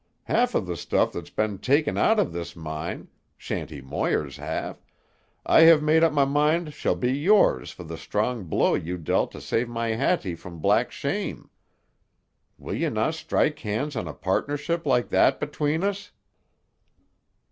Half of the stuff that's been taken out of this mine—Shanty Moir's half—I have made up my mind shall be yours for the strong blow you dealt to save my Hattie from black shame. Will you na' strike hands on a partnership like that between us?"